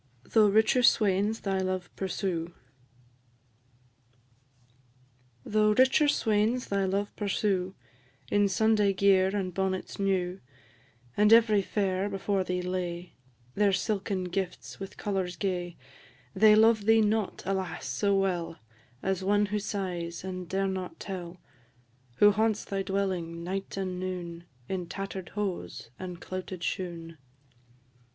THOUGH RICHER SWAINS THY LOVE PURSUE. Though richer swains thy love pursue, In Sunday gear and bonnets new; And every fair before thee lay Their silken gifts, with colours gay They love thee not, alas! so well As one who sighs, and dare not tell; Who haunts thy dwelling, night and noon, In tatter'd hose and clouted shoon.